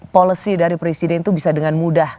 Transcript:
policy dari presiden itu bisa dengan mudah